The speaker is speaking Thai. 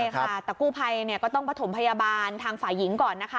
ใช่ค่ะแต่กู้ภัยก็ต้องประถมพยาบาลทางฝ่ายหญิงก่อนนะคะ